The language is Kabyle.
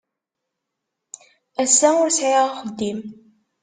Ass-a ur sɛiɣ axeddim.